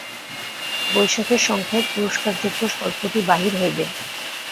বৈশাখের সংখ্যায় পুরস্কারযোগ্য গল্পটি বাহির হইবে।